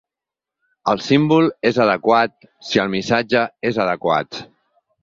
El símbol és adequat si el missatge és adequat.